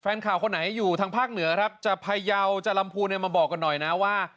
ข่าวคนไหนอยู่ทางภาคเหนือครับจะพยาวจะลำพูนเนี่ยมาบอกกันหน่อยนะว่า